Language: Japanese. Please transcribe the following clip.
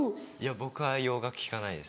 僕は洋楽聴かないです。